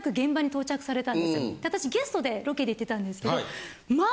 私ゲストでロケで行ってたんですけどまあ